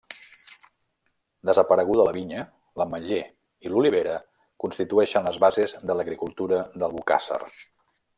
Desapareguda la vinya, l'ametler i l'olivera constituïxen les bases de l'agricultura d'Albocàsser.